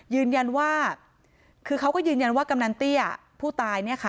ยืนยันว่าคือเขาก็ยืนยันว่ากำนันเตี้ยผู้ตายเนี่ยค่ะ